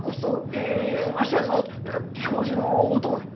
いやいやいやわしは、その、教授のお供で。